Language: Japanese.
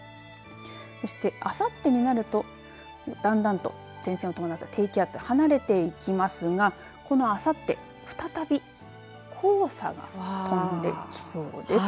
そして、あさってになるとだんだんと前線を伴った低気圧離れていきますがこのあさって、再び黄砂が飛んできそうです。